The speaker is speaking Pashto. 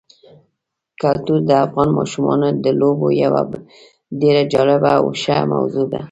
کلتور د افغان ماشومانو د لوبو یوه ډېره جالبه او ښه موضوع ده.